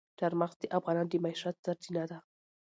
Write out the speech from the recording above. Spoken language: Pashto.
چار مغز د افغانانو د معیشت سرچینه ده.